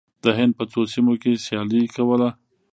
د هند په څو سیمو کې سیالي کوله.